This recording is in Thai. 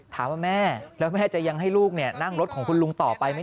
ถามว่าแม่แล้วแม่จะยังให้ลูกนั่งรถของคุณลุงต่อไปไหม